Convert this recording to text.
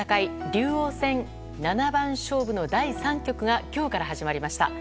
竜王戦七番勝負の第３局が今日から始まりました。